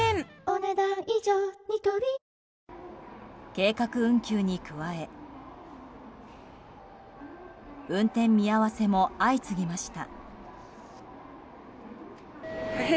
計画運休に加え運転見合わせも相次ぎました。